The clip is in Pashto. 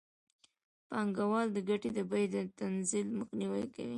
پانګوال د ګټې د بیې د تنزل مخنیوی کوي